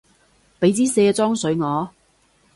畀枝卸妝水我